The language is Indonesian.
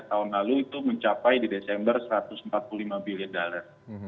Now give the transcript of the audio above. tahun lalu itu mencapai di desember satu ratus empat puluh lima billion dollar